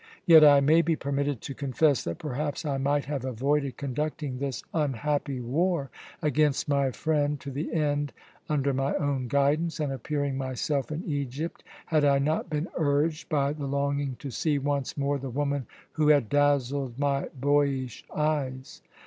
Yet I may be permitted to confess that perhaps I might have avoided conducting this unhappy war against my friend to the end under my own guidance, and appearing myself in Egypt, had I not been urged by the longing to see once more the woman who had dazzled my boyish eyes.